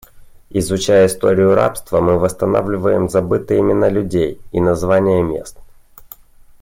Изучая историю рабства, мы восстанавливаем забытые имена людей и названия мест.